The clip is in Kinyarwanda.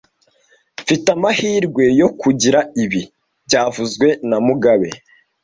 Mfite amahirwe yo kugira ibi byavuzwe na mugabe